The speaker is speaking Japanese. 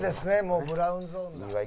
もうブラウンゾーンだ」